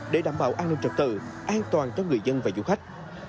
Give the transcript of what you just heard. để đảm bảo an ninh trật tự an toàn cho người dân và du khách